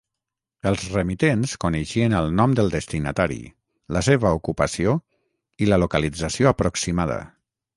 Els remitents coneixien el nom del destinatari, la seva ocupació i la localització aproximada.